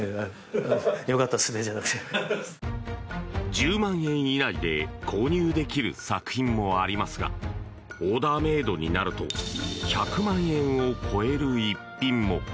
１０万円以内で購入できる作品もありますがオーダーメイドになると１００万円を超える逸品も。